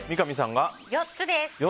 ４つです。